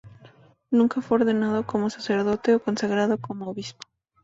Nunca fue ordenado como sacerdote o consagrado como obispo.